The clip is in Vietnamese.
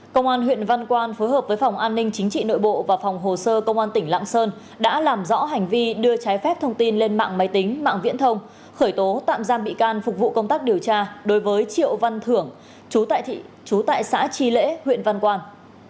công an huyện văn quan phối hợp với phòng an ninh chính trị nội bộ và phòng hồ sơ công an tỉnh lạng sơn đã làm rõ hành vi đưa trái phép thông tin lên mạng máy tính mạng viễn thông khởi tố tạm giam bị can phục vụ công tác điều tra đối với triệu văn thưởng chú tại xã tri lễ huyện văn quan